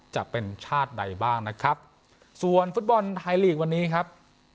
จะเป็นชาติใดบ้างนะครับส่วนฟุตบอลไทยลีกวันนี้ครับ